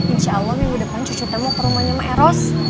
insya allah minggu depan cuco temuk rumahnya maeros